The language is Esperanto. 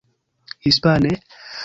Hispane?